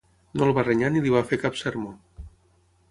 No el va renyar ni li va fer cap sermó.